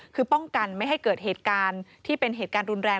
คือป้องกันไม่ให้เกิดเหตุการณ์ที่เป็นเหตุการณ์รุนแรง